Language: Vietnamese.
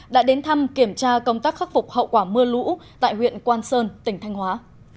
đã đến thăm kiểm tra công tác khắc phục hậu quả mưa lũ tại huyện quan sơn tỉnh thanh hóa